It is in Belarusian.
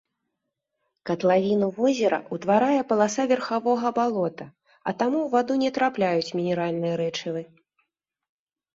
Катлавіну возера ўтварае паласа верхавога балота, а таму ў ваду не трапляюць мінеральныя рэчывы.